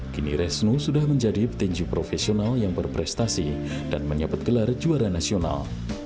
kini resnu sudah menjadi petinju profesional yang berprestasi dan menyebut gelar juara nasional